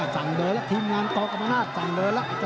สั่งเดินแล้วทีมงานต่อกรรมนาศสั่งเดินแล้ว